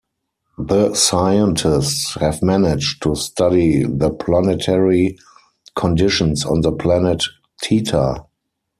The scientists have managed to study the planetary conditions on the planet Theta.